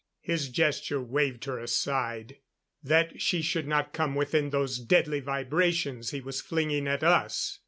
His gesture waved her aside, that she should not come within those deadly vibrations he was flinging at us.